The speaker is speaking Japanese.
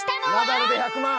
ナダルで１００万。